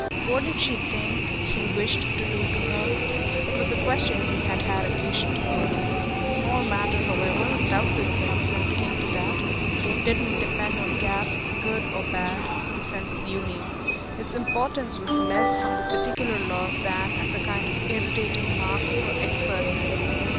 What did she think he wished to do to her? it was a question he had had occasion to put. A small matter, however, doubtless since, when it came to that, they didn't depend on cabs good or bad for the sense of union: its importance was less from the particular loss than as a kind of irritating mark of her expertness.